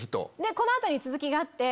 この後に続きがあって。